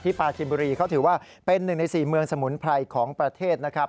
ปาจิมบุรีเขาถือว่าเป็นหนึ่งใน๔เมืองสมุนไพรของประเทศนะครับ